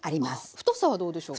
太さはどうでしょうか？